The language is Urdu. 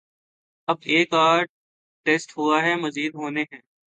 اب ایک آدھ ٹیسٹ ہوا ہے، مزید ہونے ہیں۔